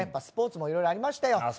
スポーツもいろいろありましたよ。